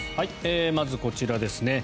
まずこちらですね。